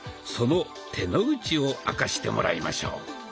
その「手の内」を明かしてもらいましょう。